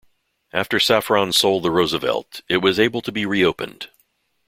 After Saffron sold the Roosevelt, it was able to be re-opened.